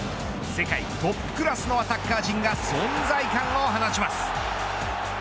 世界トップクラスのアタッカー陣が存在感を放ちます。